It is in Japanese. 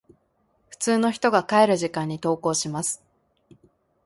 普通の人が帰る時間に登校します。